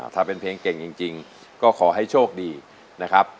ถ้าเป็นเพลงเก่งจริงก็ขอให้โชคดีนะครับ